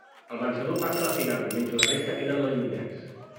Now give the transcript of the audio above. El vencedor passa a la final, mentre la resta queden eliminats.